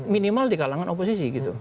minimal di kalangan oposisi